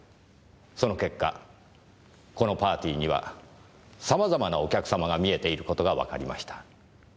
その結果このパーティーには様々なお客様が見えている事がわかりました。